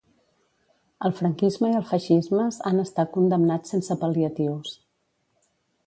El franquisme i el feixismes han estat condemnats sense pal·liatius.